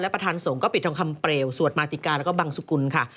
ประธานสงฆ์ก็ปิดทองคำเปลวสวดมาติกาแล้วก็บังสุกุลค่ะ